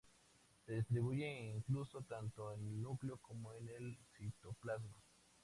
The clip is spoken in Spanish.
Se distribuye incluso tanto en el núcleo como en el citoplasma.